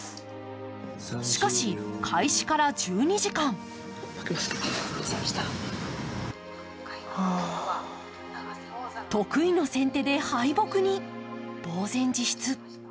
しかし、開始から１２時間得意の先手で敗北に、茫然自失。